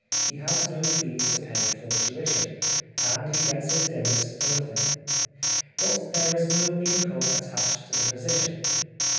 He has no fees to pay for tuition, and he gets his dinners for nothing. But there is no income attached to the position.